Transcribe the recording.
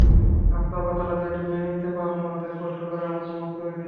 আপনার কথাটা যেহেতু মেনে নিতে পারবোনা তাই কষ্ট করে আমাকে মাফ করে দিয়েন।